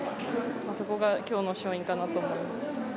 そこが今日の勝因かなと思います。